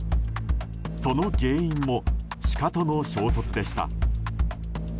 その原因もシカとの衝突でした。